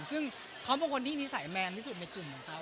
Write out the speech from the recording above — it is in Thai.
ซึ่งบางคนนี้นิสัยแมนนิสุทธิ์ในกลุ่มของเขา